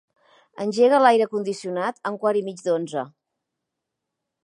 Engega l'aire condicionat a un quart i mig d'onze.